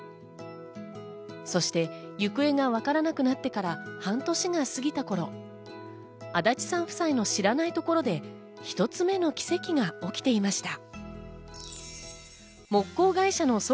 そして行方がわからなくなってから半年が過ぎた頃、足立さん夫妻の知らないところで１つ目の奇跡が起きていました。